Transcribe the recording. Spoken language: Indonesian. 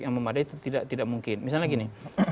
yang memadai itu tidak mungkin misalnya gini